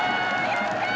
やった。